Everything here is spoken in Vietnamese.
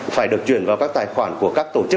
phải được chuyển vào các tài khoản của các tài khoản